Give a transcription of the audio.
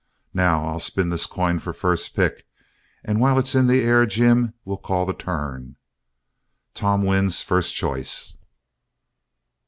Now, I'll spin this coin for first pick, and while it's in the air, Jim will call the turn.... Tom wins first choice."